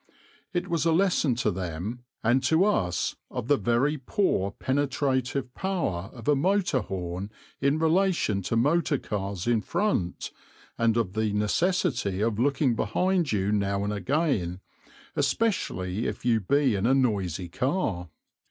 It was a lesson to them and to us of the very poor penetrative power of a motor horn in relation to motor cars in front, and of the necessity of looking behind you now and again, especially if you be in a noisy car.